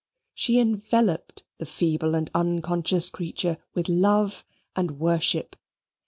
She enveloped the feeble and unconscious creature with love and worship.